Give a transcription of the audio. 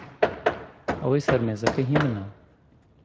ئەوەی سەر مێزەکە هی منە.